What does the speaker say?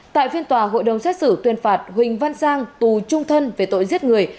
tại phiên tòa hội đồng xét xử tuyên phạt huỳnh văn sang tù trung thân về tội giết người